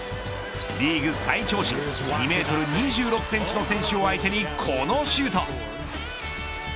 リーグ最長身２メートル２６センチの選手を相手にこのシュート。